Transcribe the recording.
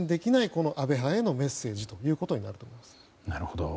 この安倍派へのメッセージということになると思います。